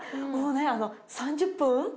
もうね３０分